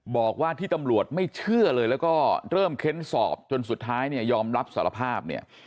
บอกว่าที่ตำรวจไม่เชื่อเลยแล้วก็เริ่มเค้นสอบจนสุดท้ายเนี่ยยอมรับสารภาพเนี่ย